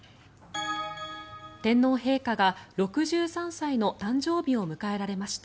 天皇陛下が６３歳の誕生日を迎えられました。